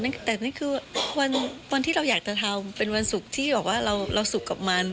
แต่นี่คือวันที่เราอยากจะทำเป็นวันศุกร์ที่บอกว่าเราสุขกับมัน